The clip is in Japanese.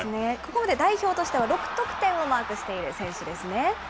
ここまで代表としては６得点をマークしている選手ですね。